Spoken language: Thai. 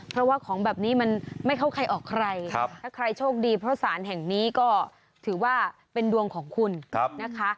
เพราะว่าของแบบนี้มันไม่เข้าใครออกใครถ้าใครโชคดีเพราะสารแห่งนี้ก็ถือว่าเป็นดวงของคุณนะคะ